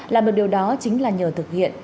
làm được điều đó chính là nhờ thực hiện